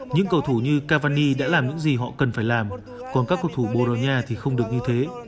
những cầu thủ như cavani đã làm những gì họ cần phải làm còn các cầu thủ borogna thì không được như thế